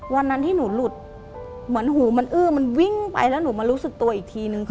วันนั้นที่หนูหลุดเหมือนหูมันอื้อมันวิ่งไปแล้วหนูมารู้สึกตัวอีกทีนึง